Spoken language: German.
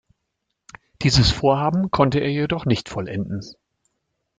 Dieses Vorhaben konnte er jedoch nicht vollenden.